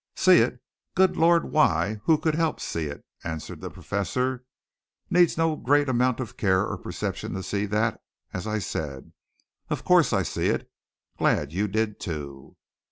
"See it! Good Lord, why, who could help see it?" answered the Professor. "Needs no great amount of care or perception to see that, as I said. Of course, I see it. Glad you did, too!"